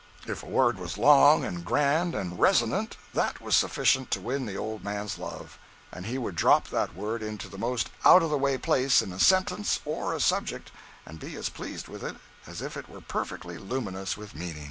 If a word was long and grand and resonant, that was sufficient to win the old man's love, and he would drop that word into the most out of the way place in a sentence or a subject, and be as pleased with it as if it were perfectly luminous with meaning.